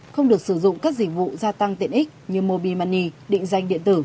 không được sử dụng các dịch vụ gia tăng tiện ích như mobile money định danh điện tử